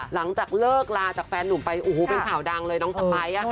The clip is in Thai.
หลังจากเลิกลาจากแฟนหนุ่มไปโอ้โหเป็นข่าวดังเลยน้องสไป